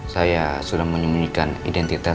saya sudah menyembunyikan identitas